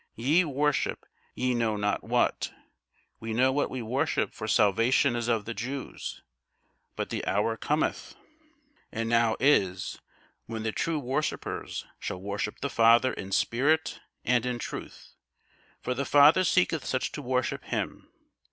Ye worship ye know not what: we know what we worship: for salvation is of the Jews. But the hour cometh, and now is, when the true worshippers shall worship the Father in spirit and in truth: for the Father seeketh such to worship him.